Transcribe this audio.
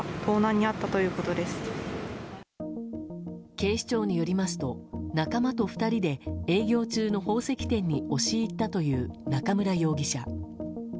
警視庁によりますと仲間と２人で営業中の宝石店に押し入ったという中村容疑者。